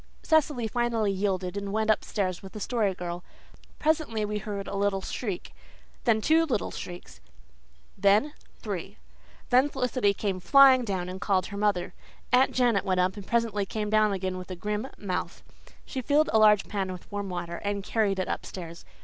Cecily finally yielded and went upstairs with the Story Girl. Presently we heard a little shriek then two little shrieks then three. Then Felicity came flying down and called her mother. Aunt Janet went up and presently came down again with a grim mouth. She filled a large pan with warm water and carried it upstairs.